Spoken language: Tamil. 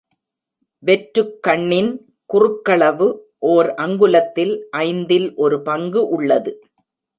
வெற்றுக் கண்ணின் குறுக்களவு ஓர் அங்குலத்தில் ஐந்தில் ஒரு பங்கு உள்ளது.